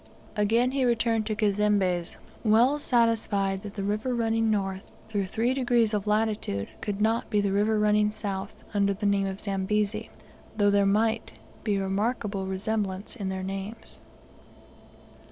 Again he returned to Cazembe's, well satisfied that the river running north through three degrees of latitude could not be the river running south under the name of Zambezi, though there might be a remarkable resemblance in their names.